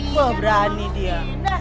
wah berani dia